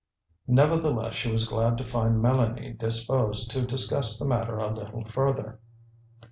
Nevertheless, she was glad to find Mélanie disposed to discuss the matter a little further.